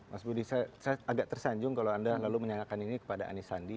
mas budi saya agak tersanjung kalau anda lalu menyalakan ini kepada anisandi